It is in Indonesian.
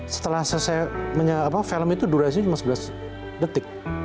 setelah saya menye film itu durasi cuma sebelas detik